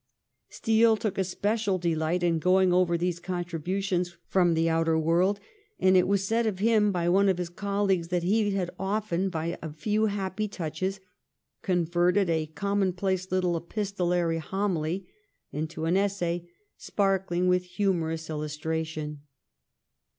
Steele took especial delight in going over these contributions from the outer w^orld, and it was said of him by one of his colleagues that he had often by a few happy touches converted a commonplace little epistolary homily into an essay sparkling with humorous illustration.